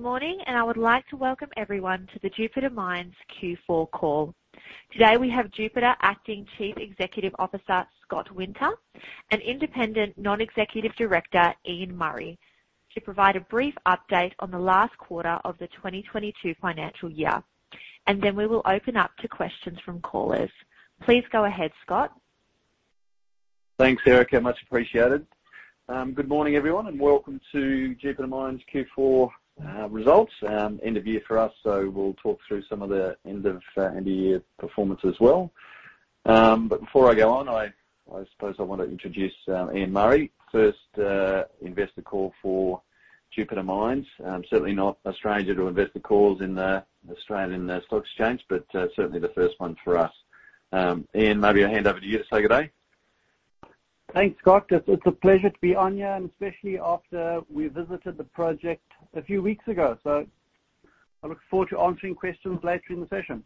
Good morning, and I would like to welcome everyone to the Jupiter Mines Q4 call. Today, we have Jupiter's Acting Chief Executive Officer, Scott Winter, and Independent Non-Executive Chair, Ian Murray, to provide a brief update on the last quarter of the 2022 financial year. We will open up to questions from callers. Please go ahead, Scott. Thanks, Erica. Much appreciated. Good morning, everyone, and welcome to Jupiter Mines Q4 results. End of year for us, so we'll talk through some of the end of year performance as well. Before I go on, I suppose I want to introduce Ian Murray. First investor call for Jupiter Mines. Certainly not a stranger to investor calls in the Australian Securities Exchange, certainly the first one for us. Ian, maybe I'll hand over to you to say good day. Thanks, Scott. It's a pleasure to be on here, and especially after we visited the project a few weeks ago. I look forward to answering questions later in the session.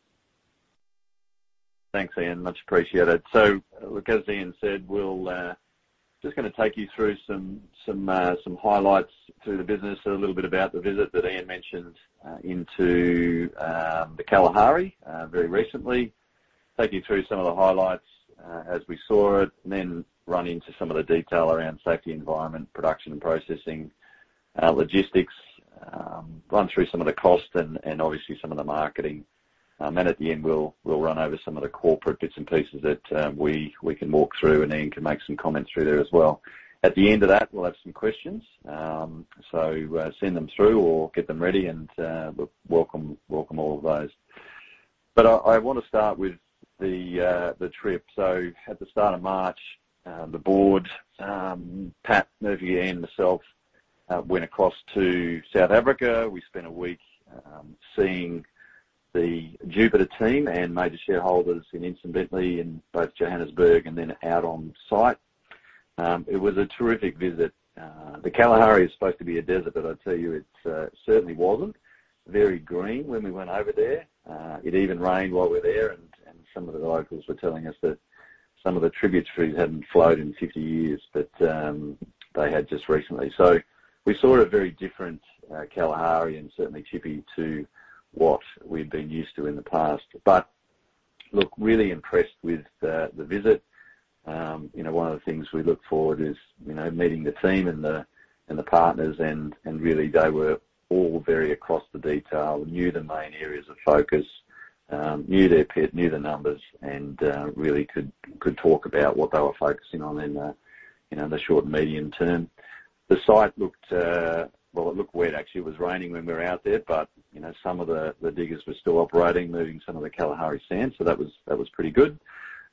Thanks, Ian. Much appreciated. Look, as Ian said, we'll just gonna take you through some highlights to the business, a little bit about the visit that Ian mentioned, into the Kalahari very recently. Take you through some of the highlights, as we saw it, and then run into some of the detail around safety, environment, production and processing, logistics. Run through some of the costs and obviously some of the marketing. And at the end, we'll run over some of the corporate bits and pieces that we can walk through and Ian can make some comments through there as well. At the end of that, we'll have some questions. Send them through or get them ready and we'll welcome all of those. I wanna start with the trip. At the start of March, the board, Pat, Melissa, Ian Murray, myself, went across to South Africa. We spent a week seeing the Jupiter team and major shareholders in Ntsimbintle in both Johannesburg and then out on site. It was a terrific visit. The Kalahari is supposed to be a desert, but I tell you, it certainly wasn't. Very green when we went over there. It even rained while we were there and some of the locals were telling us that some of the tributary hadn't flowed in 50 years, but they had just recently. We saw a very different Kalahari and certainly Tshipi to what we've been used to in the past. Look, really impressed with the visit. You know, one of the things we look forward is, you know, meeting the team and the partners and really they were all very across the detail, knew the main areas of focus, knew their pit, knew the numbers, and really could talk about what they were focusing on in the, you know, the short and medium term. The site looked. Well, it looked wet, actually. It was raining when we were out there. You know, some of the diggers were still operating, moving some of the Kalahari sand. That was pretty good.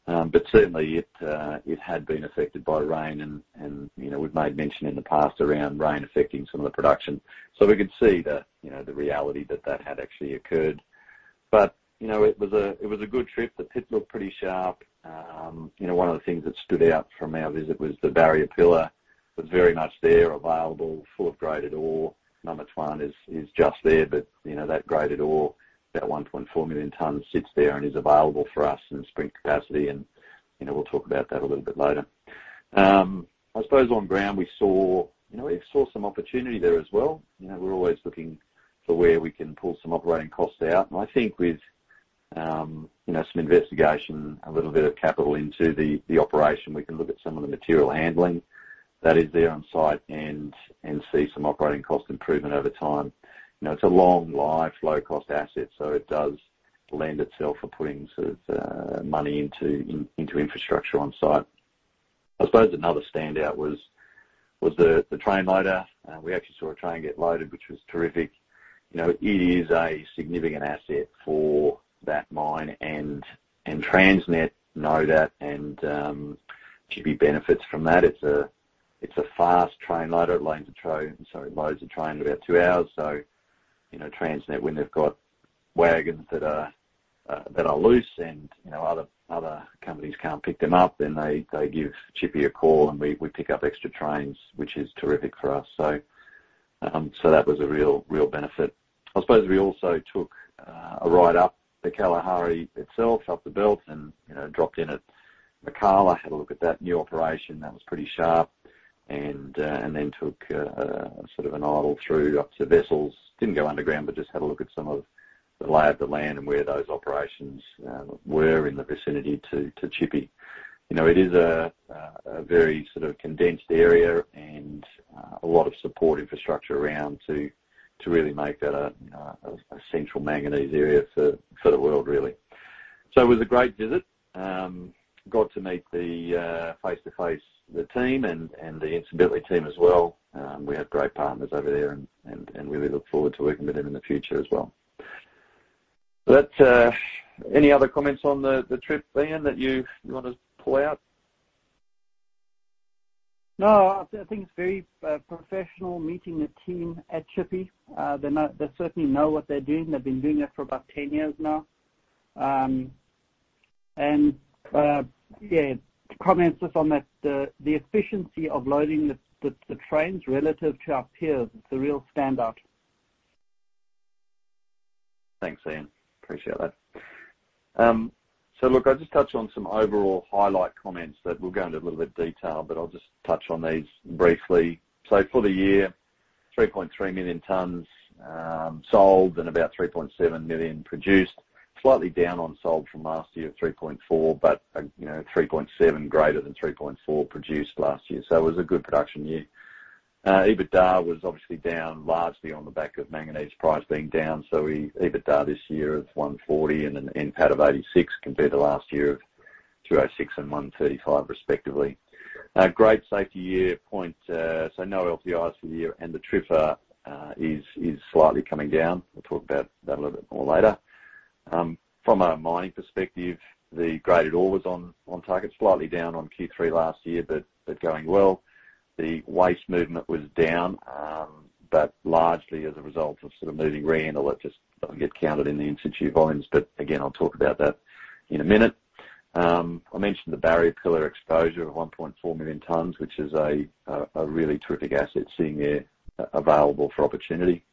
But certainly it had been affected by rain and you know, we've made mention in the past around rain affecting some of the production. We could see the, you know, the reality that that had actually occurred. You know, it was a good trip. The pit looked pretty sharp. You know, one of the things that stood out from our visit was the barrier pillar was very much there, available, full of graded ore. Number 20 is just there, but you know, that graded ore, that 1.4 million tons sits there and is available for us in spring capacity and, you know, we'll talk about that a little bit later. I suppose on ground, we saw some opportunity there as well. You know, we're always looking for where we can pull some operating costs out. I think with you know, some investigation, a little bit of capital into the operation, we can look at some of the material handling that is there on site and see some operating cost improvement over time. You know, it's a long life, low cost asset, so it does lend itself for putting sort of money into infrastructure on site. I suppose another standout was the train loader. We actually saw a train get loaded, which was terrific. You know, it is a significant asset for that mine and Transnet know that and Tshipi benefits from that. It's a fast train loader. It loads a train in about two hours. You know, Transnet, when they've got wagons that are loose and you know other companies can't pick them up, then they give Tshipi a call and we pick up extra trains, which is terrific for us. That was a real benefit. I suppose we also took a ride up the Kalahari itself, up the belt and dropped in at Makala, had a look at that new operation. That was pretty sharp. We then took sort of a drive through up to Wessels. Didn't go underground, but just had a look at some of the lay of the land and where those operations were in the vicinity to Tshipi. You know, it is a very sort of condensed area and a lot of support infrastructure around to really make that a central manganese area for the world, really. It was a great visit. Got to meet the face to face, the team and the Ntsimbintle team as well. We have great partners over there and really look forward to working with them in the future as well. Any other comments on the trip, Ian, that you wanna pull out? No, I think it's very professional meeting the team at Tshipi. They certainly know what they're doing. They've been doing it for about 10 years now. To comment just on that, the efficiency of loading the trains relative to our peers is a real standout. Thanks, Ian. Appreciate that. Look, I'll just touch on some overall high-level comments that we'll go into a little bit of detail, but I'll just touch on these briefly. For the year, 3.3 million tons sold and about 3.7 million produced. Slightly down on sold from last year, 3.4 million, but you know, 3.7 million greater than 3.4 million produced last year. It was a good production year. EBITDA was obviously down largely on the back of manganese price being down. EBITDA this year is 140 million and PAT of 86 million, compared to last year of 206 million and 135 million respectively. Great safety year points. No LTIs for the year and the TRIFR is slightly coming down. We'll talk about that a little bit more later. From a mining perspective, the graded ore was on target. Slightly down on Q3 last year, but going well. The waste movement was down, but largely as a result of sort of moving rehandle. It just doesn't get counted in the in-situ volumes. Again, I'll talk about that in a minute. I mentioned the barrier pillar exposure of 1.4 million tons, which is a really terrific asset sitting there available for opportunity.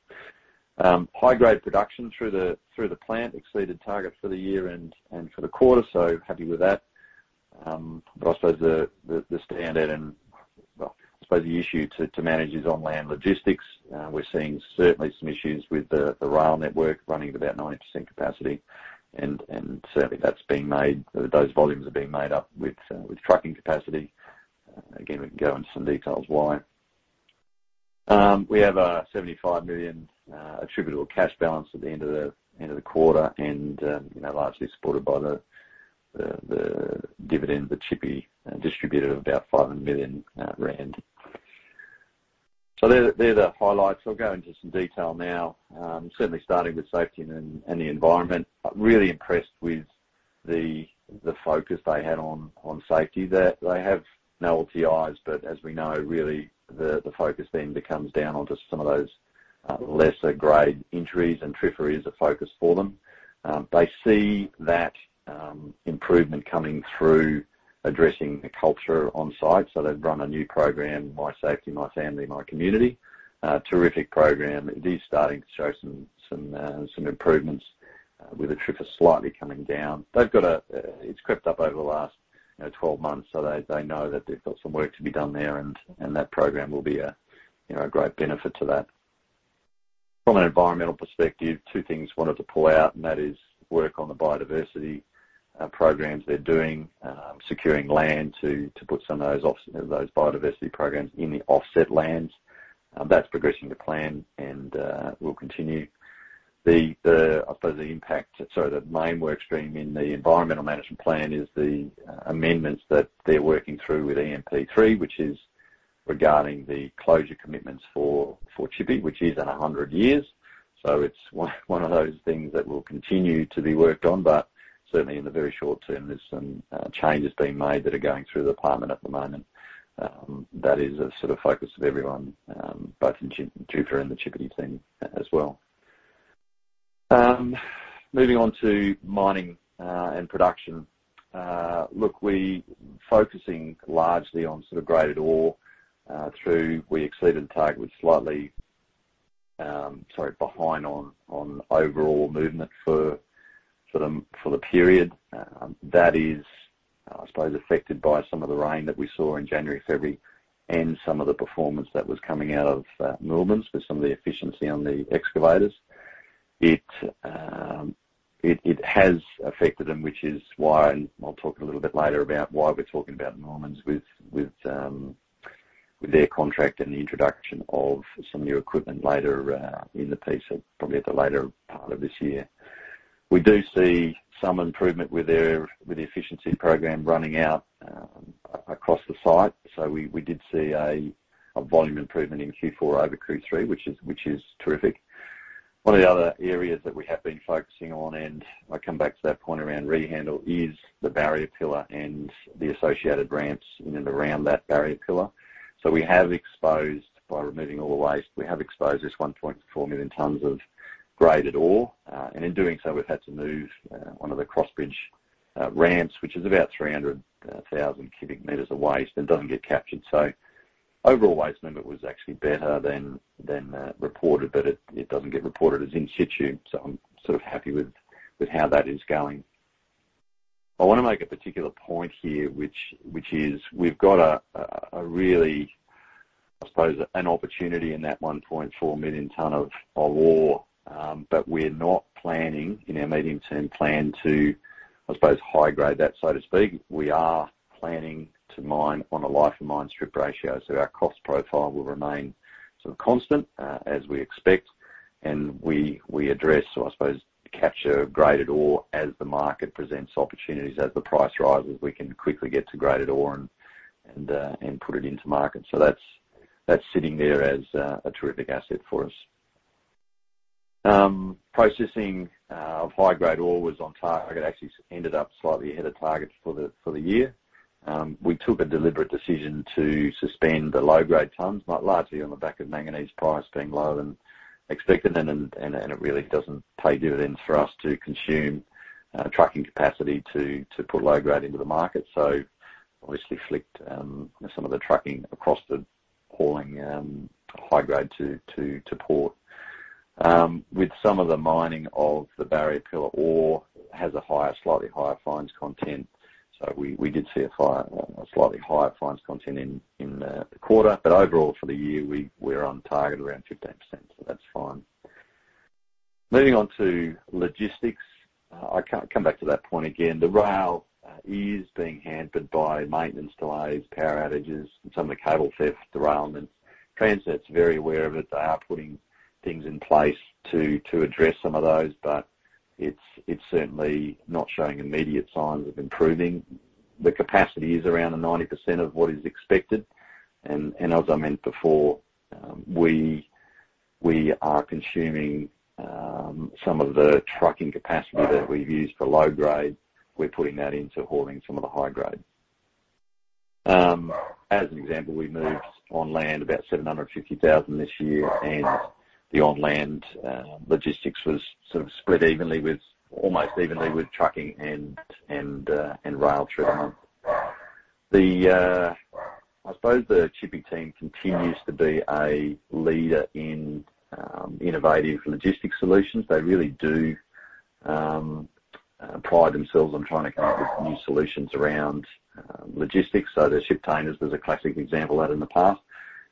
High-grade production through the plant exceeded targets for the year and for the quarter, so happy with that. I suppose the standout and, well, I suppose the issue to manage is inland logistics. We're seeing certainly some issues with the rail network running at about 90% capacity. Certainly that's being made up or those volumes are being made up with trucking capacity. We can go into some details why. We have a 75 million attributable cash balance at the end of the quarter and, you know, largely supported by the dividend, the Tshipi distributed of about 500 million rand. They're the highlights. I'll go into some detail now. Certainly starting with safety and the environment. I'm really impressed with the focus they had on safety. They have no LTIs, but as we know, really the focus then becomes down onto some of those lesser grade injuries, and TRIFR is a focus for them. They see that improvement coming through addressing the culture on site. They've run a new program, My Safety, My Family, My Community. A terrific program. It is starting to show some improvements with the TRIFR slightly coming down. It's crept up over the last 12 months, so they know that they've got some work to be done there and that program will be a great benefit to that. From an environmental perspective, two things I wanted to pull out, that is work on the biodiversity programs they're doing, securing land to put some of those biodiversity programs in the offset lands. That's progressing to plan and will continue. I suppose the main work stream in the environmental management plan is the amendments that they're working through with EMP3, which is regarding the closure commitments for Tshipi, which is in 100 years. It's one of those things that will continue to be worked on, but certainly in the very short term, there's some changes being made that are going through the department at the moment. That is a sort of focus of everyone both in Jupiter and the Tshipi team as well. Moving on to mining and production. Look, we're focusing largely on sort of graded ore through. We're slightly behind on overall movement for the period. That is, I suppose affected by some of the rain that we saw in January, February and some of the performance that was coming out of Moolmans with some of the efficiency on the excavators. It has affected them, which is why, and I'll talk a little bit later about why we're talking about Moolmans with their contract and the introduction of some new equipment later in the piece or probably at the later part of this year. We do see some improvement with the efficiency program running across the site. We did see a volume improvement in Q4 over Q3, which is terrific. One of the other areas that we have been focusing on, and I come back to that point around rehandle, is the barrier pillar and the associated ramps in and around that barrier pillar. We have exposed, by removing all the waste, this 1.4 million tons of graded ore. And in doing so, we've had to move one of the cross bridge ramps, which is about 300,00 cubic meters of waste and doesn't get captured. Overall waste movement was actually better than reported, but it doesn't get reported as in-situ. I'm sort of happy with how that is going. I wanna make a particular point here, which is we've got a really, I suppose, an opportunity in that 1.4 million ton of ore. We're not planning in our medium-term plan to, I suppose, high-grade that, so to speak. We are planning to mine on a life and mine strip ratio, so our cost profile will remain sort of constant as we expect. We address or, I suppose, capture graded ore as the market presents opportunities. As the price rises, we can quickly get to graded ore and put it into market. That's sitting there as a terrific asset for us. Processing of high-grade ore was on target. It actually ended up slightly ahead of targets for the year. We took a deliberate decision to suspend the low-grade tons, but largely on the back of manganese price being lower than expected. It really doesn't pay dividends for us to consume trucking capacity to put low grade into the market. So obviously flicked some of the trucking across the hauling high grade to port. With some of the mining of the barrier pillar ore has a slightly higher fines content. So we did see a slightly higher fines content in the quarter. But overall for the year, we're on target around 15%, so that's fine. Moving on to logistics. I come back to that point again. The rail is being hampered by maintenance delays, power outages, and some of the cable theft, derailment. Transnet's very aware of it. They are putting things in place to address some of those, but it's certainly not showing immediate signs of improving. The capacity is around the 90% of what is expected. As I mentioned before, we are consuming some of the trucking capacity that we've used for low grade. We're putting that into hauling some of the high grade. As an example, we moved inland about 750,000 tons this year, and the inland logistics was sort of split evenly with, almost evenly with trucking and rail transport. I suppose the shipping team continues to be a leader in innovative logistics solutions. They really do apply themselves on trying to come up with new solutions around logistics. The shiptainers was a classic example of that in the past.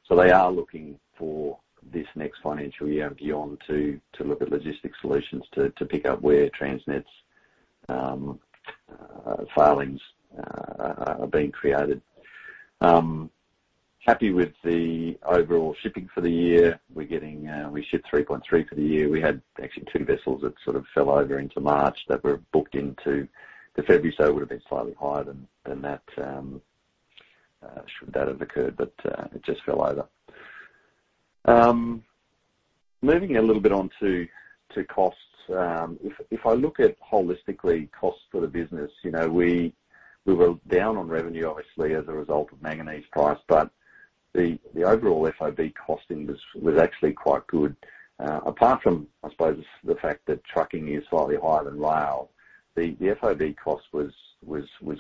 They are looking for this next financial year and beyond to look at logistic solutions to pick up where Transnet's failings are being created. Happy with the overall shipping for the year. We shipped 3.3 million tons for the year. We had actually two vessels that sort of fell over into March that were booked into February, so it would have been slightly higher than that should that have occurred, but it just fell over. Moving a little bit on to costs. If I look at holistic costs for the business, you know, we were down on revenue, obviously, as a result of manganese price, but the overall FOB costing was actually quite good. Apart from, I suppose, the fact that trucking is slightly higher than rail, the FOB cost was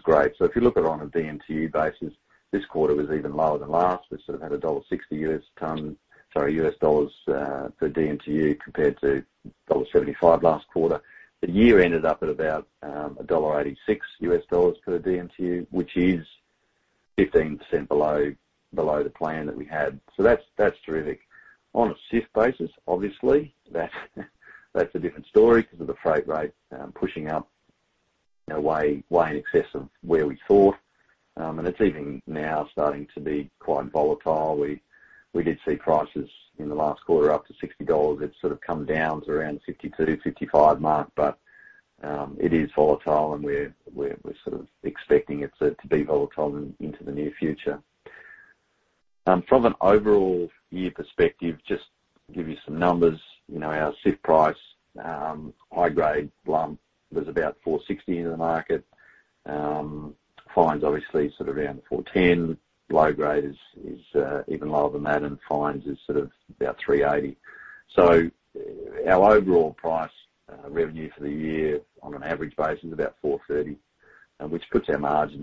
great. If you look at it on a DMTU basis, this quarter was even lower than last. We sort of had $60 per DMTU compared to $75 last quarter. The year ended up at about $86 per DMTU, which is 15% below the plan that we had. That's terrific. On a CIF basis, obviously, that's a different story 'cause of the freight rate pushing up way in excess of where we thought. It's even now starting to be quite volatile. We did see prices in the last quarter up to $60. It's sort of come down to around $52-$55 mark. It is volatile, and we're sort of expecting it to be volatile into the near future. From an overall year perspective, just give you some numbers. You know, our CIF price, high-grade lump was about $460 in the market. Fines obviously sort of around $410. Low grade is even lower than that, and fines is sort of about $380. So our overall price, revenue for the year on an average basis is about $430, which puts our margin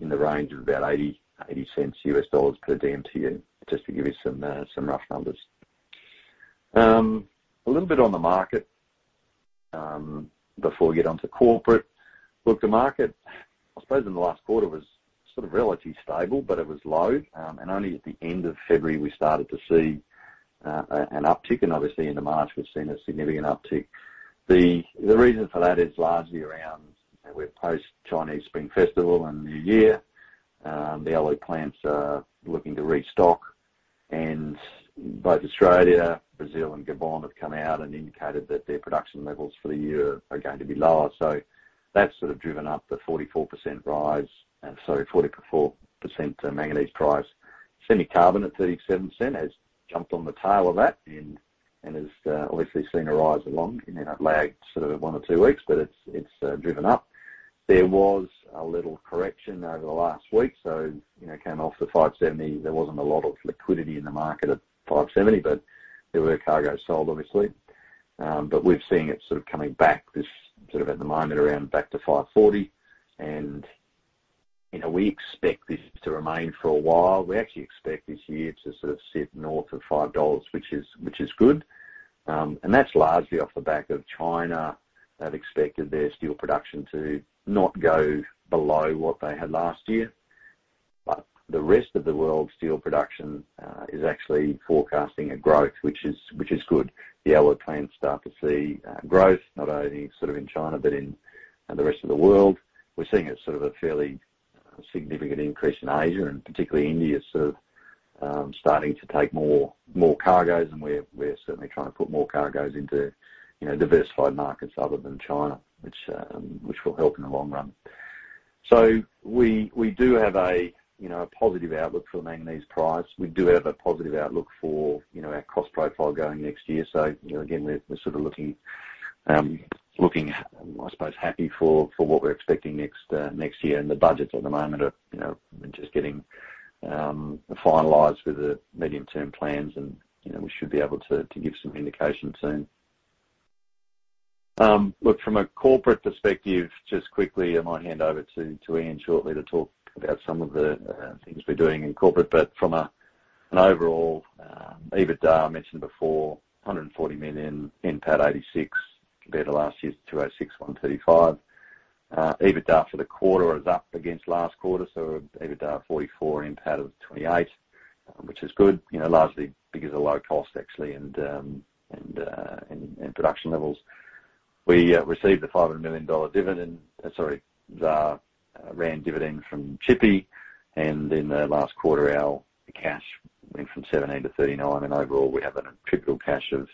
in the range of about $0.80 per DMTU, just to give you some rough numbers. A little bit on the market before we get onto corporate. Look, the market, I suppose in the last quarter was sort of relatively stable, but it was low. Only at the end of February, we started to see an uptick, and obviously into March, we've seen a significant uptick. The reason for that is largely around, you know, we're post-Chinese Spring Festival and New Year. The alloy plants are looking to restock. Both Australia, Brazil and Gabon have come out and indicated that their production levels for the year are going to be lower. That's sort of driven up the 44% rise in the manganese price. Semi-carbonate at $0.37 has jumped on the tail of that and has obviously seen a rise along. You know, lagged sort of one or two weeks, but it's driven up. There was a little correction over the last week, so you know, came off the $570. There wasn't a lot of liquidity in the market at $570, but there were cargos sold, obviously. We've seen it sort of coming back this, sort of at the moment, around back to $540. You know, we expect this to remain for a while. We actually expect this year to sort of sit north of $5, which is good. That's largely off the back of China. They've expected their steel production to not go below what they had last year. The rest of the world steel production is actually forecasting a growth, which is good. The alloy plants start to see growth, not only sort of in China, but in the rest of the world. We're seeing a sort of fairly significant increase in Asia, and particularly India sort of starting to take more cargos. We're certainly trying to put more cargos into, you know, diversified markets other than China, which will help in the long run. We do have a you know a positive outlook for the manganese price. We do have a positive outlook for, you know, our cost profile going next year. You know, again, we're sort of looking, I suppose, happy for what we're expecting next year. The budgets at the moment are, you know, just getting finalized with the medium-term plans and, you know, we should be able to give some indication soon. Look, from a corporate perspective, just quickly, I might hand over to Ian shortly to talk about some of the things we're doing in corporate. From an overall EBITDA, I mentioned before, 140 million, NPAT 86 million, compared to last year's 206 million on 135 million. EBITDA for the quarter is up against last quarter, so EBITDA 44 million, NPAT of 28 million, which is good, you know, largely because of low cost actually and production levels. We received the ZAR 500 million dividend from Tshipi. In the last quarter, our cash went from 17 million to 39 million, and overall, we have an attributable cash of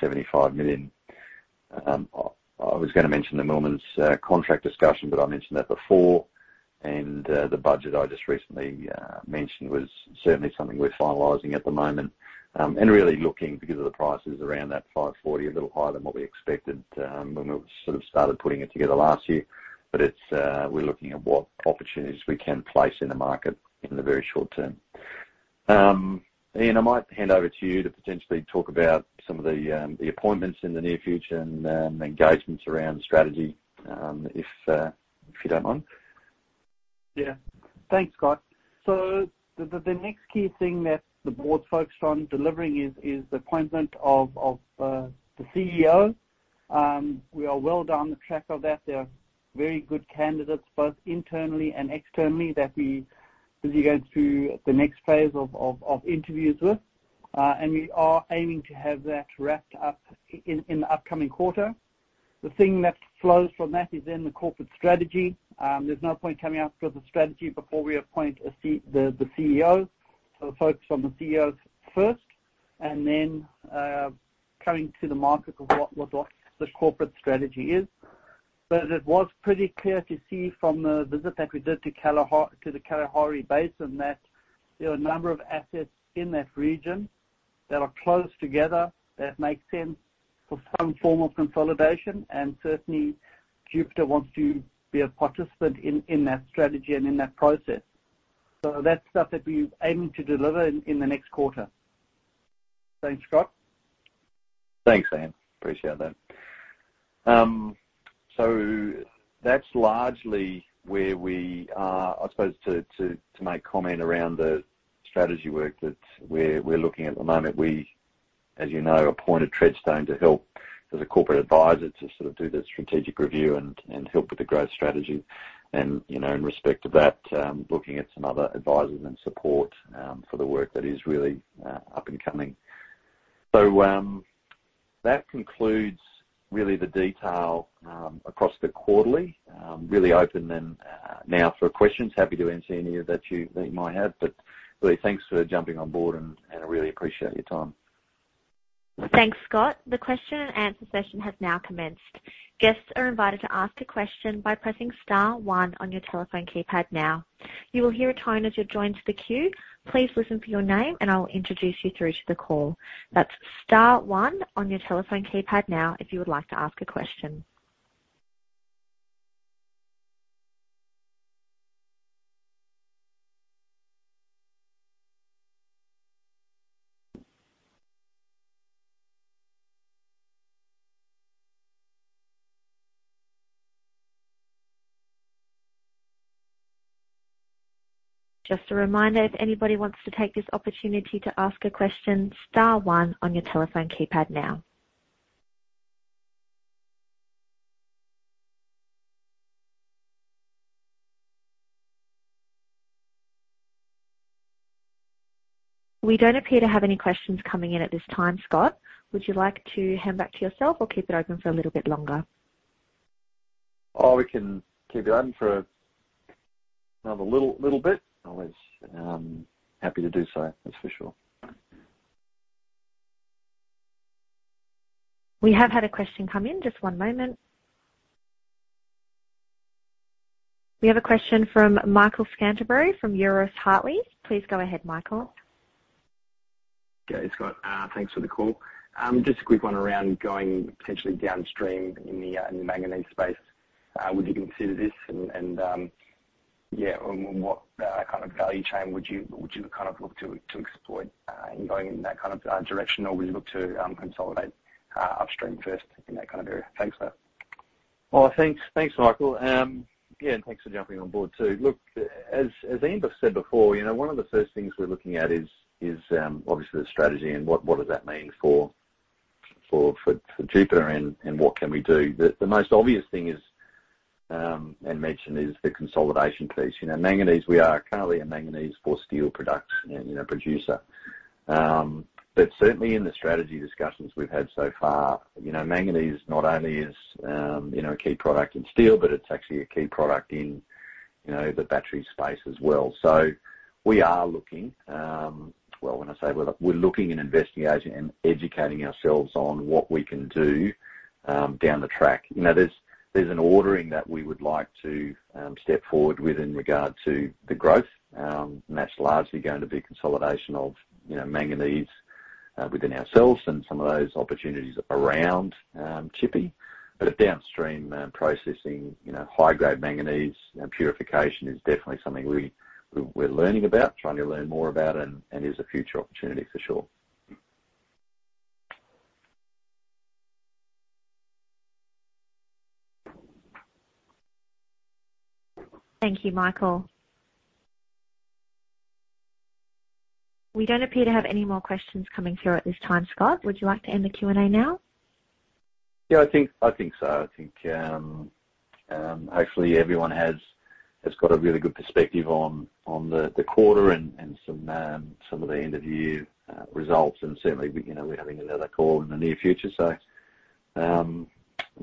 75 million. I was gonna mention the Moolman's contract discussion, but I mentioned that before. The budget I just recently mentioned was certainly something we're finalizing at the moment. Really looking because of the prices around that $5.40, a little higher than what we expected, when we sort of started putting it together last year. But it's, we're looking at what opportunities we can place in the market in the very short term. Ian, I might hand over to you to potentially talk about some of the appointments in the near future and, engagements around strategy, if you don't mind. Yeah. Thanks, Scott. The next key thing that the board's focused on delivering is the appointment of the CEO. We are well down the track of that. There are very good candidates, both internally and externally, that we presumably go to the next phase of interviews with. We are aiming to have that wrapped up in the upcoming quarter. The thing that flows from that is in the corporate strategy. There's no point coming up with a strategy before we appoint the CEO. We're focused on the CEO first and then coming to the market of what the corporate strategy is. It was pretty clear to see from the visit that we did to the Kalahari Basin that there are a number of assets in that region that are close together that make sense for some form of consolidation, and certainly, Jupiter wants to be a participant in that strategy and in that process. That's stuff that we're aiming to deliver in the next quarter. Thanks, Scott. Thanks, Ian. Appreciate that. That's largely where we are, I suppose, to make comment around the strategy work that we're looking at the moment. We, as you know, appointed Treadstone to help as a corporate advisor to sort of do the strategic review and help with the growth strategy. You know, in respect to that, looking at some other advisors and support for the work that is really up and coming. That concludes really the detail across the quarterly. Really open then now for questions. Happy to answer any that you might have. Really thanks for jumping on board, and I really appreciate your time. Thanks, Scott. The question and answer session has now commenced. Guests are invited to ask a question by pressing star one on your telephone keypad now. You will hear a tone as you're joined to the queue. Please listen for your name, and I will introduce you through to the call. That's star one on your telephone keypad now if you would like to ask a question. Just a reminder, if anybody wants to take this opportunity to ask a question, star one on your telephone keypad now. We don't appear to have any questions coming in at this time, Scott. Would you like to hand back to yourself or keep it open for a little bit longer? Oh, we can keep it open for another little bit. Always happy to do so. That's for sure. We have had a question come in. Just one moment. We have a question from Michael Scantlebury from Euroz Hartleys. Please go ahead, Michael. Yeah. Scott, thanks for the call. Just a quick one around going potentially downstream in the manganese space. Would you consider this and yeah, and what kind of value chain would you kind of look to exploit in going in that kind of direction? Or would you look to consolidate upstream first in that kind of area? Thanks, sir. Well, thanks, Michael. Yeah, and thanks for jumping on board, too. Look, as Ian said before, you know, one of the first things we're looking at is obviously the strategy and what does that mean for Jupiter and what can we do? The most obvious thing is, and mentioned is the consolidation piece. You know, manganese, we are currently a manganese for steel production, you know, producer. But certainly in the strategy discussions we've had so far, you know, manganese not only is, you know, a key product in steel, but it's actually a key product in, you know, the battery space as well. So we are looking, well, when I say we're looking and investigating and educating ourselves on what we can do, down the track. You know, there's an ordering that we would like to step forward with in regard to the growth, and that's largely going to be consolidation of, you know, manganese within ourselves and some of those opportunities around Tshipi. Downstream processing, you know, high-grade manganese and purification is definitely something we're learning about, trying to learn more about and is a future opportunity for sure. Thank you, Michael. We don't appear to have any more questions coming through at this time, Scott. Would you like to end the Q&A now? Yeah, I think so. I think hopefully everyone has got a really good perspective on the quarter and some of the end of year results. Certainly, you know, we're having another call in the near future, so I'm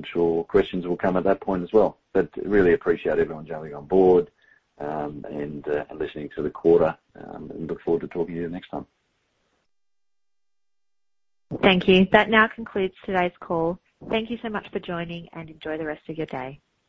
sure questions will come at that point as well. Really appreciate everyone jumping on board and listening to the quarter and look forward to talking to you next time. Thank you. That now concludes today's call. Thank you so much for joining, and enjoy the rest of your day.